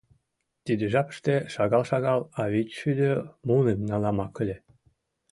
Тиде жапыште шагал-шагал, а вичшӱдӧ муным наламак ыле.